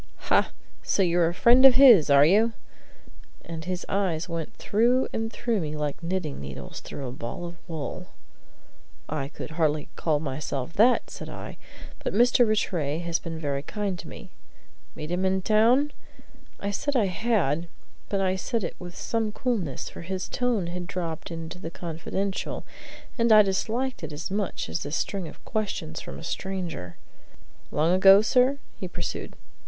"Ha! So you're a friend of his, are you?" And his eyes went through and through me like knitting needles through a ball of wool. "I could hardly call myself that," said I. "But Mr. Rattray has been very kind to me." "Meet him in town?" I said I had, but I said it with some coolness, for his tone had dropped into the confidential, and I disliked it as much as this string of questions from a stranger. "Long ago, sir?" he pursued.